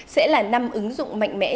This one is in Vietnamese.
sẽ là năm ứng dụng mạnh mẽn